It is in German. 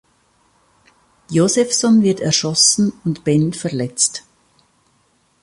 Josephson wird erschossen und Ben verletzt.